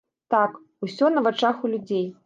Так, усё на вачах у людзей.